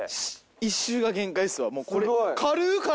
１周が限界っすわ。